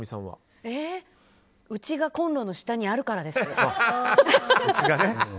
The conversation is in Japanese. うちがコンロの下にあるからです。